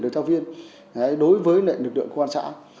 đối với lực lượng công an xã